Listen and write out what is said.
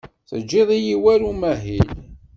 Teǧǧid-iyi war amahil.